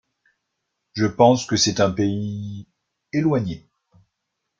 Je pense que c’est un pays… éloigné.